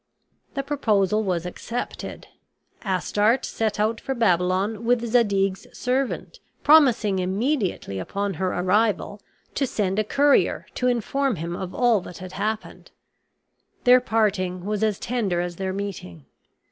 The proposal was accepted. Astarte set out for Babylon with Zadig's servant, promising, immediately upon her arrival, to send a courier to inform him of all that had happened. Their parting was as tender as their meeting.